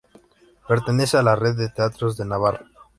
Pertenece a la Red de Teatros de Navarra.